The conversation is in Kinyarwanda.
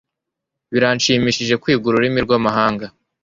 Birashimishije kwiga ururimi rwamahanga.